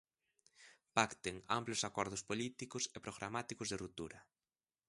Pacten amplos acordos políticos e programáticos de ruptura.